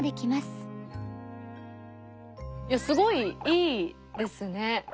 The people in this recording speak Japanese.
いやすごいいいですね。